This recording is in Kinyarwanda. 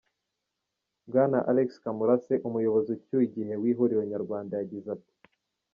Bwana Alex Kamurase, umuyobozi ucyuye igihe w'ihuriro nyarwanda yagize ati:.